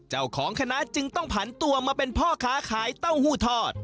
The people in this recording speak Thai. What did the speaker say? เจ้าของคณะจึงต้องผันตัวมาเป็นพ่อค้าขายเต้าหู้ทอด